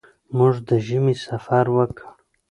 موږ د ژمي سفر وکړ.